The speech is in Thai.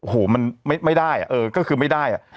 โหนโหไม่ได้เอ่อก็คือไม่ได้